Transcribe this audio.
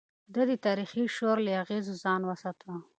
ده د تاريخي شور له اغېزو ځان وساته.